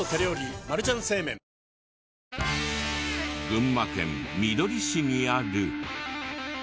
群馬県みどり市にある。